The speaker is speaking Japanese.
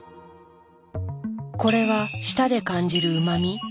これは舌で感じるうま味？